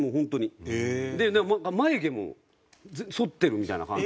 眉毛もそってるみたいな感じ。